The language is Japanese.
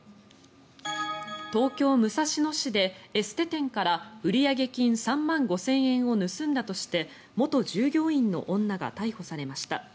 東京・武蔵野市で、エステ店から売上金３万５０００円を盗んだとして元従業員の女が逮捕されました。